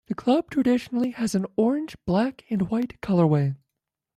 The club traditionally has an orange, black and white colourway.